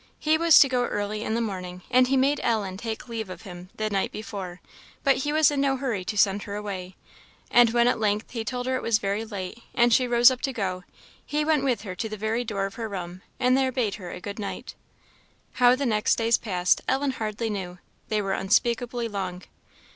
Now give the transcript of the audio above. He was to go early in the morning; and he made Ellen take leave of him the night before; but he was in no hurry to send her away; and when at length he told her it was very late, and she rose up to go, he went with her to the very door of her room, and there bade her good night. How the next days passed Ellen hardly knew; they were unspeakably long.